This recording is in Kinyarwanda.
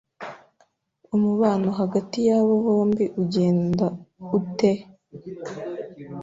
Umubano hagati yabo bombi ugenda ute?